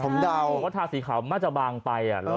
ว่าทาสีขาวมันจะบางไป